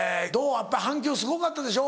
やっぱ反響すごかったでしょ。